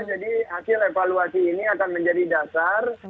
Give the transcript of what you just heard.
jadi hasil evaluasi ini akan menjadi dasar